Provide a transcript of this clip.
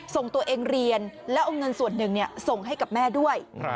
ส่งตัวเองเรียนแล้วเอาเงินส่วนหนึ่งส่งให้กับแม่ด้วย